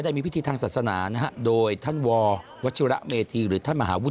มีพิธีทางศาสนานะฮะโดยท่านววัชิระเมธีหรือท่านมหาวุฒ